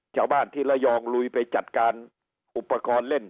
ชาวบ้านที่ระยองลุยไปจัดการอุปกรณ์เล่น